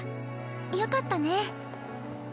よかったね。